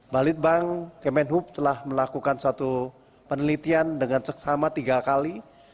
balitbank kemenhub telah melakukan satu penelitian dengan seksama tiga kali